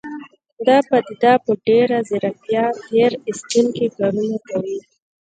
دا پديده په ډېره ځيرکتيا تېر ايستونکي کارونه کوي.